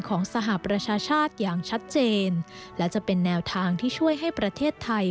สหประชาชาติอย่างชัดเจนและจะเป็นแนวทางที่ช่วยให้ประเทศไทย